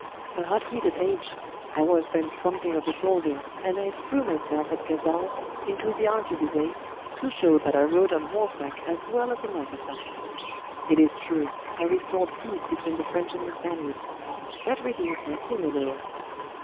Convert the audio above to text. "A hot headed age. I was then something of a soldier, and I threw myself at Casal into the arquebusades, to show that I rode on horseback as well as an officer. It is true, I restored peace between the French and the Spaniards. That redeems my sin a little."